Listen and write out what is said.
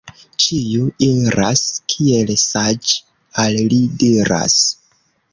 Ĉiu iras, kiel saĝ' al li diras.